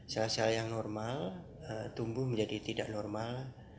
sel sel yang normal tumbuh menjadi tidak normal